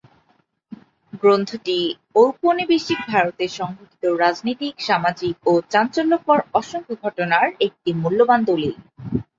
গ্রন্থটি ঔপনিবেশিক ভারতে সংঘটিত রাজনীতিক, সামাজিক ও চাঞ্চল্যকর অসংখ্য ঘটনার একটি মূল্যবান দলিল।